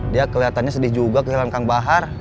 dia kelihatannya sedih juga kehilangan kang bahar